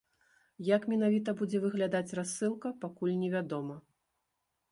Як менавіта будзе выглядаць рассылка, пакуль невядома.